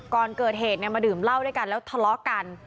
ก่อนเกิดเหตุมาดื่มเหล้าด้วยกันแล้วทะเลาะกัน